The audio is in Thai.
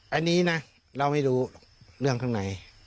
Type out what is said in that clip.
อันนี้นะเราไม่รู้เรื่องข้างใน